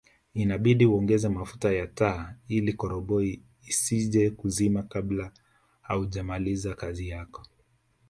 Inabidi uongeze mafuta ya taa ili koroboi isije kuzima kabla haujamaliza kazi yako